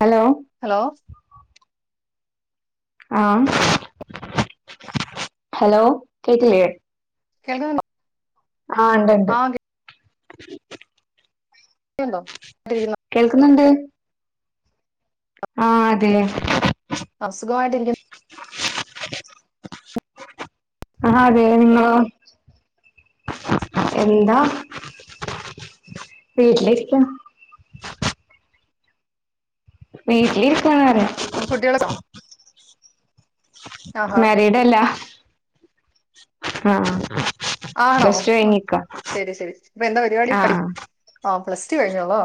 Hello hello ആ hello കേട്ടില്ലേ കേൾക്കാമോ ആ ഇണ്ട് ഇണ്ട് [inaudible] [unintelligible] കേൾക്കുന്നുണ്ട് ആ അതെ അസുഖയിട്ടിയിരിക്കു ആ അതെ നിങ്ങളോ എന്താ വീട്ടിലിരിക്കാ- വീട്ടിലിരിക്ക്വാണ് അറിയാം കുട്ട്യേ [unintelligible] ളുണ്ടോ മേരീഡ് അല്ല ആഹ് ആണോ പ്ലസ് ടു കഴിഞ്ഞിക്ക ശെരി ശെരി അപ്പം എന്താ പരുപാടി പഠി ആഹ് ഔ പ്ലസ്ടു കഴിഞ്ഞോ ഉളോ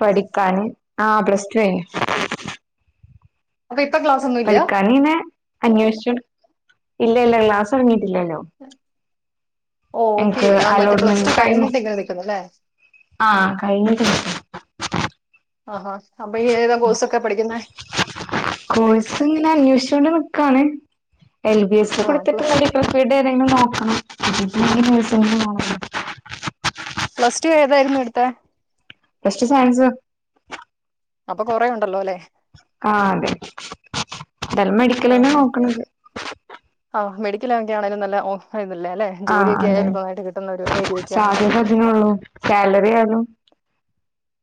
പഠിക്കാന് ആഹ് പ്ലസ് ടു കഴിഞ്ഞ് അതിപ്പ പഠിക്കാൻ ഇങ്ങനെ അന്വേഷിച്ചോണ്ട് ഇല്ലയില്ല ക്ലാസൊട്ങ്ങിന ഇല്ലലോ ഓ ഓക്കെ ഇൻക്ക് മറ്റേ പ്ലസ് അലോട്ട്മെൻ്റ് ടു കഴ്ഞ് കഴിഞ്ഞിട്ട് ഇങ്ങനെ നിൽക്കുന്നല്ലേ ആ കഴിഞ്ഞട്ട് [inaudible] ആഹ് ഹാ ഉം എന്തെങ്കിലും കോഴ്സ് ഇങ്ങനെ അന്വേഷിച്ചോണ്ട് നിക്കാണ് എൽബിഎസ് ആ കൊടുത്തിട്ട് [unintelligible] ഇത്ര സ്പീഡ് [unintelligible] നോക്കണം കിട്ടിട്ടിലെ [unintelligible] പോണമെന്ന പ്ലസ്ടു ഏതായിരുന്നു എടുത്തേ പ്ലസ്ടു സയൻസ് അപ്പം കുറെ ഉണ്ടല്ലോലേ ആ അതെ എന്തായാലും മെഡിക്കല് തന്നെയാ ആഹാ നോക്കണത് [unintelligible] ആണേലും നല്ല [unintelligible] ആ ജോലിയൊക്കെ അതെ ആയാലും നന്നായിട്ട് കിട്ടുന്ന ഒരു ഏരിയ ഒക്കെ ആണല്ലോ സാധ്യത അതിനെ ഉള്ളു സാലറി ആയാലും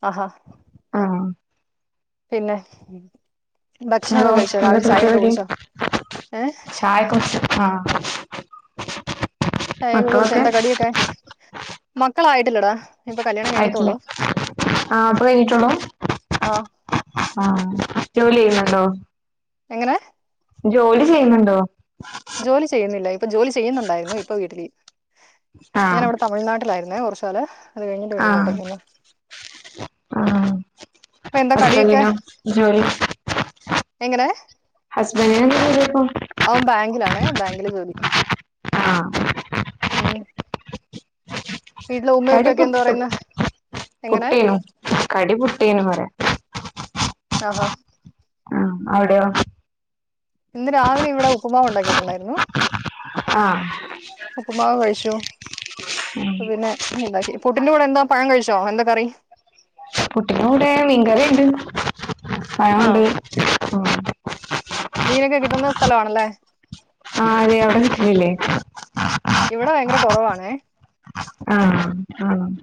ആഹാ ആ പിന്നെ ഇങ്ങളോ ഭക്ഷണമൊക്കെ കഴിച്ചോ എന്താ രാവിലെ ചായയൊക്കെ പരുപാടി കുടിച്ചോ ഏ ചായയൊക്കെ കുടി ആ ചായ ഒക്കെ കുടിച്ച് എന്താ കടിയൊക്കെ മക്കളായിട്ടിലടാ ആയിട്ടിലെ ആ ഇപ്പം കഴിഞ്ഞട്ടേ ഉള്ളൂ ആ ആ ജോലി ചെയ്യുന്നുണ്ടോ എങ്ങനെ ജോലി ചെയ്യുന്നുണ്ടോ ജോലി ചെയ്യുന്നില്ലേ ജോലി ചെയ്യുന്നുണ്ടായിരുന്നു ഇപ്പോൾ വീട്ടില് ആഹ് ഞാനവിടെ തമിഴ്നാട്ടിൽ ആയിരുന്നു കുറച്ചുകാല് അതുകഴിഞ്ഞ് പിന്നെ ആഹ് ഇങ്ങോട്ടേക്ക് മാറി ആഹ് ഇപ്പം എന്താ കടിയൊക്കെ ഹസ്ബന്റിനോ ജോലി എങ്ങനെ ഹസ്ബന്റിനു ജോലിയില്ലേ ഇപ്പം അവൻ ബാങ്കിലാണ് ബാങ്കില് ജോലിക്ക് ആ മ് കടി പുട്ടും എങ്ങനെ പുട്ടീനു കടി പുട്ടിനു ആഹ ആഹ് അവിടെയോ ഇന്ന് രാവിലെ ഇവിടെ ഉപ്പുമാവ് ഉണ്ടാക്കിയിരുന്നു ആ ഉപ്പുമാവ് കഴിച്ചു പിന്നെ ഉണ്ടാക്കി പുട്ടിൻകുടെ എന്താ പഴം കഴിച്ചോ എന്താ കറി കുട്ടന്റെ കൂടെ മീൻകറി ഉണ്ട് പഴവുണ്ട് മീന് ഒക്കെ കിട്ടുന്ന സ്ഥലം ആണ് അല്ലേ ആ അതെ കിട്ടിയില്ലേ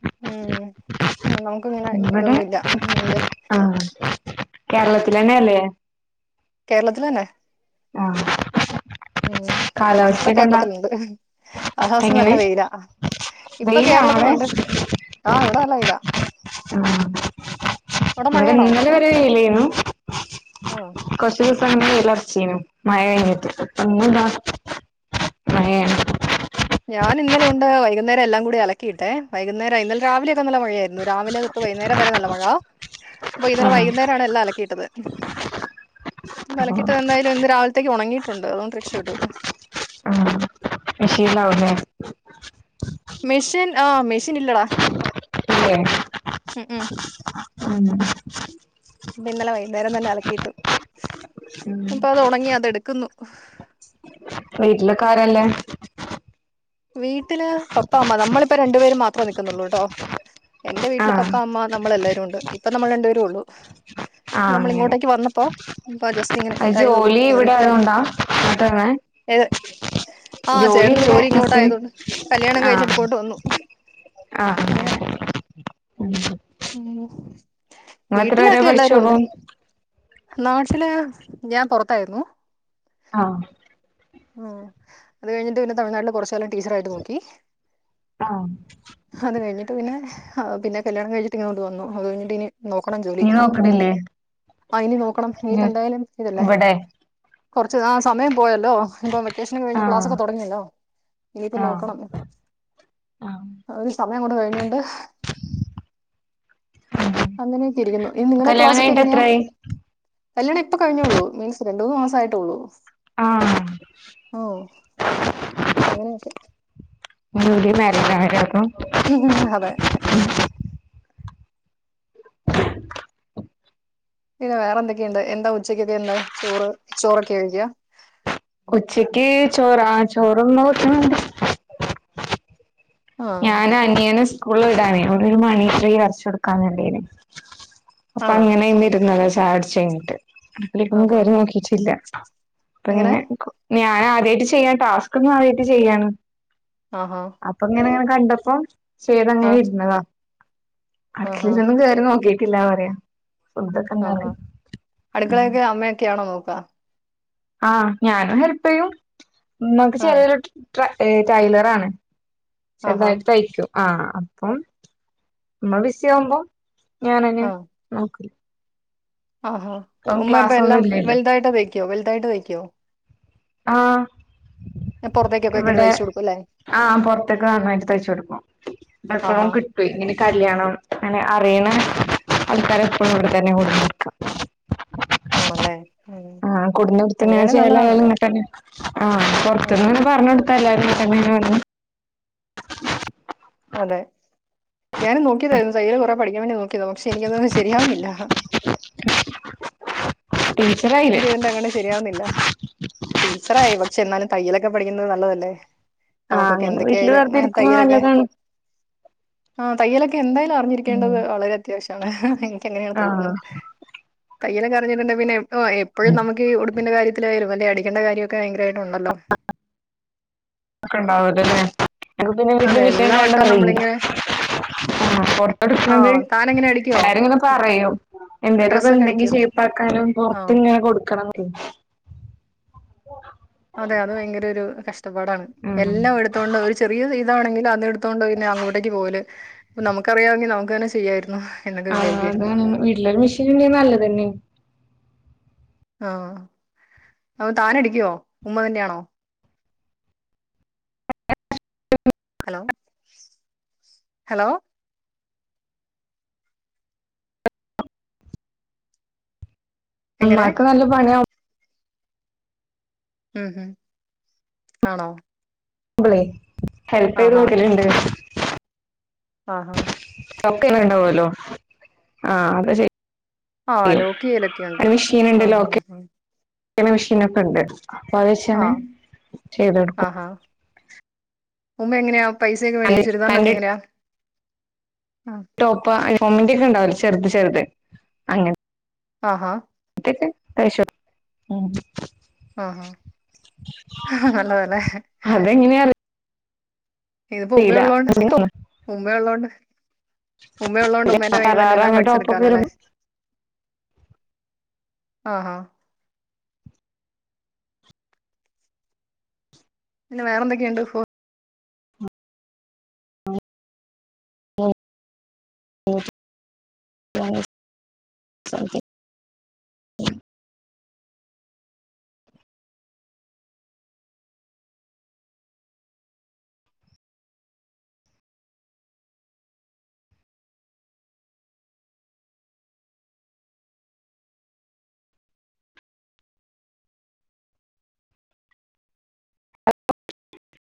മ് ഞങ്ങൾക്ക് മി ഇത് ഇവിടെ ഒന്നുമില്ല മീൻ്റ ആഹ് കേരളത്തിൽ തന്നെയല്ലേ കേരളത്തിൽ തന്നെ ആ ഉം ഇപ്പൊ കാലാവസ്ഥക്കെന്താ കേരളത്തിലുണ്ട് കാലാവസ്ഥ നല്ല എങ്ങനെ വെയിലാ ഇപ്പൊ വെയിലാണോ കേരളത്തിലുണ്ട് ആഹ് ഇവിടെ നല്ല വെയിലാ അവടെ അ ഇവിടെ ഇന്നലെ വരെ വെയിലേരുന്നു അ ഇപ്പം ഇന്ന് വെയിലറച്ചിനു മഴ കഴിഞ്ഞിട്ട് ഇപ്പം ഇന്ന് ഇതാ മഴയ ഞാൻ ഇന്നലെ ഉണ്ട് വൈകുന്നേരം എല്ലാം കൂടെ അലക്കിയിട്ടേ വൈകുന്നേരായി ഇന്നലെ രാവിലെ നല്ല മഴയായിരുന്നു രാവിലെ തൊട്ട് വൈകുന്നേരം വരെ നല്ല മഴ അപ്പോ ഇന്നലെ ആഹ് വൈകുന്നേരാണ് എല്ലാം അലക്കി ഇട്ടത് ഇന്നലെ അപ്പൊ അലക്കി ഇട്ടത് എന്തായാലും ഇന്ന് രാവിലെത്തേക്ക് ഒണങ്ങി ട്ടുണ്ട് അതോണ്ട് രക്ഷപ്പെട്ടു ആ മെഷീനിൽ ആവൂല്ലേ ആ മെഷീൻ അ മെഷീൻ ഇല്ലെടാ ഇല്ലേ മ് മ് ആണോ ഇന്നലെ വൈകുന്നേരം തന്നെ അലക്കി ഇട്ട് അപ്പോ അത് ഒണങ്ങി അത് എടുക്കുന്നു വീട്ടിലൊക്കെ ആരാ ഇല്ലേ വീ ട്ടിലാ പപ്പാ, അമ്മ നമ്മളിപ്പ രണ്ടു പേരും മാ പ്പ നിക്കുന്നുള്ളൂ ട്ടോ എന്റെ വീട്ടില് ആഹ് പപ്പാ അമ്മ നമ്മളെല്ലാരുണ്ട്. ഇ പ്പം നമ്മൾ രണ്ട് പേരു ഉള്ളു ആഹ് അങ്ങനെ. ഇപ്പൊ ജസ്റ്റ് ഇങ്ങനെ എ ഇതായതുള്ളൂ ജോലി കേറിയിട്ടുള്ളൂ വ്ടായതോണ്ടാ കേട്ടൊന്നേ ഏ ആ ജോലി ചേട്ടന് വ്ടെ ത്തെ ഇങ്ങോട്ടായതുകൊണ്ട് കല്യാണം കഴിച്ചിട്ട് ആഹ് ഇങ്ങോട്ട് വന്നു ആഹ് ഉം. [inaudible] വരെ പഠിച്ചു വീട്ടിലാക്കെല്ലാരുണ്ട്. അപ്പം നാട്ടില് ഞാം പൊറത്തായിരുന്നു. ആഹ് ഊം. അത് കഴിഞ്ഞിട്ട് പിന്ന തമിഴ്നാട്ടില് കൊർച്ച് [unintelligible] ടീച്ചറായിട്ട് നോക്കി. ആഹ് ഹത് കഴിഞ്ഞ് പിന്നെ ആ പിന്നെ കല്യാണം കഴിച്ചി ട്ടിങ്ങോട്ട് വന്നു. അത് കഴിഞ്ഞിട്ടിനി നോക്കണം ജോലി. നീ നോക്കണില്ലേ ആ ഇനി നോക്കണം. ഇനിയിപ്പ ജോ എന്തായാലും ഇതല്ലേ ഇവിടെ കൊറച്ച് ആ സമയം പോയല്ലോ ഇപ്പം വെക്കേഷൻ ഒക്കെ കഴിഞ്ഞ് ക്ലാസ് ആഹ് ഒക്കെ തുടങ്ങിയല്ലോ ഇനിയിപ്പ ആഹ് നോക്കണം. ആഹ് ഒരു സ അത് അങ്ങോട്ട് കഴിഞ്ഞോണ്ട്. അങ്ങനെയൊക്കെ ഇരിക്കുന്നു. ഇനി ഇപ്പൊ നിങ്ങടെ കല്യാണം ക്ലാസ് ഒക്കെ കഴിഞ്ഞിട്ട് എങ്ങനെയ. എത്രായി കല്യാണം ഇപ്പ കഴിഞ്ഞേയുള്ളൂ മീൻസ് രണ്ട് മൂന്ന് മാസം ആയിട്ടുള്ളൂ ആഹ് ഓ അങ്ങനെയൊക്കെ. ന്യൂലി മാരേജാണ്ലെ അപ്പോ അതെ പിന്നെ വേറെ എന്തൊക്കെ ഇണ്ട് എന്താ ഉച്ചക്കൊക്കെ ഇന്ന് ചോറ് ചോറൊക്കെ കഴിക്കാ ഉച്ചക്ക് ചോറ് ആ ചോറെന്നും വക്ക്ണ് ണ്ട്. ആ ഞാൻ അനിയന് സ് കൂളില് വിടാനെ ഓനൊരു മണിശ്രീ വരച്ചു കൊടുക്കാന്ണ്ടേന്. അപ്പ ആണോ അങ്ങനെ ഇന്ന് ഇര്ന്നതാ ചായുടിച്ചയ്യ്ഞ്ഞ്ട്ട്. അപ്പള് ഇപ്പൊന്നും ആഹാ കേറി നോക്കീട്ടില്ല. ഇപ്പോ എങ്ങനെ കൊ ഞ ഞാൻ ആദ്യായിട്ട് ചെയ്യ. ടാസ്ക് ഒന്നും ആദ്യായിട്ട് ചെയ്യാണ്. ആഹാ അപ്പൊങ്ങനെ കണ്ടപ്പോ ആ ചെയ്തങ്ങനെ ഇരുന്നത. അടുക്കളേലൊന്നും കേറി നോക്കീ ത്തില്ല പറയാ ഫുഡൊക്കെ എന്താണ് ആഹ്ഹാ അടുക്കളൊക്കെ അമ്മയൊക്കെയാണോ നോക്കാ ആ ഞാനും ഹെൽപ്പ് ചെയ്യും നമ്മക്ക് ആ ചെറിഒരു ട്രൈലർ ആണ് ആഹാ ചെറുതായിട്ട് തയ്ക്കു ആഹ് അപ്പം ഉമ്മ വിസ ആവുമ്പോ ഞാനന്നെ നോക്ക ആഹ്ഹാ ഉമ്മ അപ്പ ക്ലാസ്സൊന്നും എല്ലാം ഇല്ലല്ലോ വലുതായിട്ട് വയ്ക്കുവോ വലുതായിട്ട് തയ്ക്കോ കോ ആഹ് ഞാൻ പുറത്തേക്കൊക്കെ ഇങ്ങനെ ഇവിടെ തയ്ച്ചു കൊടുക്കും അല്ലേ ആഹ് പുൊറത്തേക്ക് വാങ്ങായിട്ട് തയ്ച്ച കൊടുക്കും ആഹാ എപ്പം കിട്ടും ഇങ്ങനെ കല്യാണം അങ്ങനെ അറിയണ ആൾക്കാരെ ഫടെ തന്നെ കൊടി നക്കാം ആണല്ലേ ഉം ആഹ് കുടുന്ന വത്തി ഇങ്ങനെ അങ്ങനെയാണെങ്കിൽ ചേലയി നല്ലതാണ് നിന്നിട്ടാണ് [inaudible] ആഹ് ഉം പുറത്തന്ന്പറഞ്ഞടു ഇപ്പെ എല്ലാരും ഇങ്ങനെ തന്നെ [unintelligible] അതെ ഞാൻ നോക്കിയതായിരുന്നു തയ്ൽ കൊറെ പഠിക്കാൻ വേണ്ടി നോക്കിയതോ പക്ഷെ എനിക്കൊന്നും ശരിയാവുന്നില്ല ടീച്ചറായില്ലേ എന്ത് ചെയ്തിട്ടും അങ്ങട്ട് ശരിയാവുന്നില്ല ടീച്ചറായി ചെന്നാലും തയ്യലക്കെ പഠിക്കുന്നത് നല്ലതല്ലേ ആഹ് നമുക്കൊക്കെ അങ്ങനെ വീട്ടില് എന്തൊക്കെയായാലും വെറുതെ ഇരിക്കുമ്പോ നല്ലതാണ് ആഹ തയ്യല്ലടിക്ക എന്തായാലും ഉം അറിഞ്ഞിരിക്കേണ്ടത് വളരെ അത്യാവശ്യമാണ് എനക്ക് അങ്ങനെയാണ് ആ തോന്നുന്നത് തയ്യെലൊക്കെ അറിഞ്ഞിട്ടുണ്ടേ പിന്നെ ഓഹ് എപ്പഴും നമുക്ക് ഈ ഉടുപ്പിന്റെ കാര്യത്തിലായാലും അല്ല അടിക്കേണ്ട കാര്യൊക്കെ ഭയങ്കര ഉള്ളല്ലോ ഒക്കെ ഉണ്ടാവലല്ലേ അക്ക് പിന്നെ വ അതെ എല്ലാ വട്ടവും മിഷൻണ്ടറിയില്ല നമ്മളിങ്ങനെ ആ പൊറത്ത് ആ എടുക്കുന്നത് താനെങ്ങനെ അടിക്കുവോ എല്ലാരും ഇങ്ങനെ പറയോ എന്തേലും ഒക്കെ ഡ്രസ്സൊക്കെ ഉണ്ടെങ്കി അടിക്കുവോ ഷേപ്പാക്കാനും ആ പൊറത്ത് ഇങ്ങനെ കൊടുക്കണം അതെ അത് ഭയങ്കര ഒരു കഷ്ട കഷ്ട പാടാണ് ഉം എല്ലാം എടുത്തോണ്ട് ഒരു ചെറിയ [unintelligible] താണെങ്കിൽ അതെടു ത്തോണ്ട് പിന്നെ അങ്ങോട്ടേക്ക് പോകല് നമുക്കറിയാങ്കിൽ നമുക്കന്നെ ചെയ്യാരുന്നു ആ അതാണ് വീട്ടിൽ മെഷിൻ ണ്ടങ്കിൽ നല്ലതന്നേണ് ആ താൻ അടിക്കോ ഉമ്മ തന്നെ ആണോ ഹലോ എങ്ങനെ ഉമ്മാക്ക് നല്ല പണി ഉം ഉം ആണോ കുമ്പളേ ഹെല്പ് ചെയ്ത് ആഹാ കൊടുക്കൽ ണ്ട് ആഹാ ഒക്കങ്ങനെണ്ടല്ലോ ആ അത് ശെരി ആ ലോക്ക് ചെയ്യലൊക്ക്ണ്ട് ക്ക്നെ മിഷിനൊക്കെ ണ്ട് അപ്പൊ അത് ആ വെച്ചെന്നെ ചെയ്ത് കൊടുക്കും ആഹാ ഉമ്മ ങ്ങനാ പൈസ ഒക്കെ മേടിക്ക പാന്റ് പാന്റ് ചുരിദാറിനൊക്കെങ്ങനെയാ [unintelligible] ചെറുത് ചെറുത് അങ്ങനെ ആഹാ അത് ശരി ഉം [unintelligible] ആഹാ നല്ല താ ലെ അതെങ്ങനെയാ ഇത്‌ പ്പോ അറിയില്ല ഉമ്മയുള്ളോണ്ട് ഉമ്മയുള്ളോണ്ട് ഉമ്മയുള്ളോണ്ട് ഉമ്മാന്റെ കൈയ്യിന്നന്നെ ശറാറ എല്ലാം അങ്ങനെ പഠിച്ചെടുക്കാ ടോപ്പൊക്കെ ലെ ഇടുമ്പോ ആഹാ പിന്നെ വേറേ എന്തെക്കെ ഇണ്ട് ഇപ്പൊ [unintelligible]